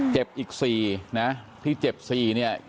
เจ็บอีก๔นะที่เจ็บ๔เนี่ย